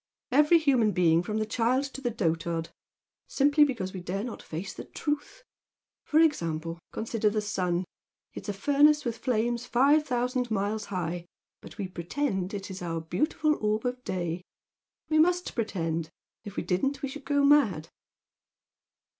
every human being from the child to the dotard! Simply because we dare not face the truth! For example, consider the sun! It is a furnace with flames five thousand miles high, but we 'pretend' it is our beautiful orb of day! We must pretend! If we didn't we should go mad!"